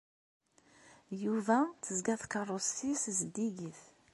Yuba tezga tkeṛṛust-nnes zeddiget.